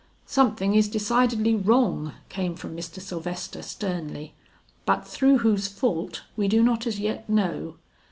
"Something is decidedly wrong," came from Mr. Sylvester sternly; "but through whose fault we do not as yet know."